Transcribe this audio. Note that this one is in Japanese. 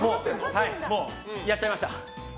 もう、やっちゃいました。